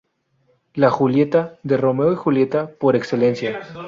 La "Julieta" de "Romeo y Julieta" por excelencia.